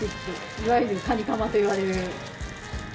いわゆるカニカマと言われる。